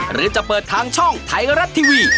หรือจะเปิดทางช่องไทยรัฐทีวี